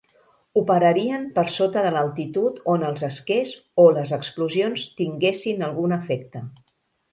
Operarien per sota de l'altitud on els esquers o les explosions tinguessin algun efecte.